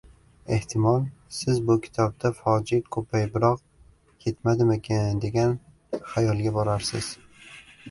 Ehtimol, siz bu kitobda foje ko'payibroq ketmadimikin, degan xayolga borarsiz.